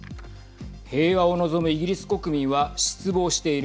平和を望むイギリス国民は失望している。